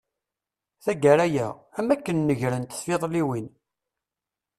Tagara-a, am wakken negrent tfiḍliwin.